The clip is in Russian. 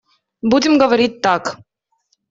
Будем говорить так.